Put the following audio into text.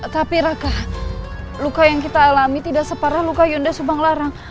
tapi raka luka yang kita alami tidak separah luka yunda subanglarang